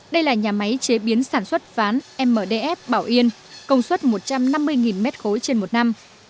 đây là nhà máy chế biến sản xuất ván mdf bảo yên công suất một trăm năm mươi m ba trên một năm